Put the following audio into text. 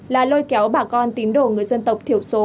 là lôi kéo bà con tín đồ người dân tộc thiểu số